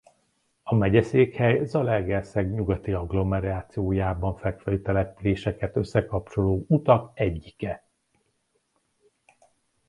A megyeszékhely Zalaegerszeg nyugati agglomerációjában fekvő településeket összekapcsoló utak egyike.